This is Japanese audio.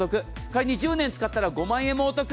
仮に１０年使ったら５万円もお得。